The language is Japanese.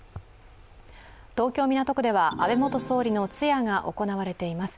東京・港区では安倍元総理の通夜が行われています。